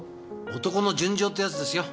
男の純情ってヤツですよ。